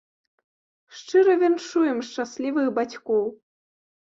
Шчыра віншуем шчаслівых бацькоў!